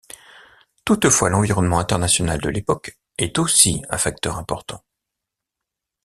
Toutefois l’environnement international de l’époque est aussi un facteur important.